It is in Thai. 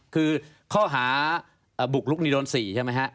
คือข้อหาบุกลุกนี้โดนสี่ใช่ไหมครับ